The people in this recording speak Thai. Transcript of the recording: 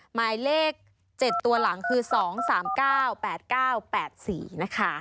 หมายเลข๗ตัวหลังคือ๒๓๙๘๙๘๔นะคะ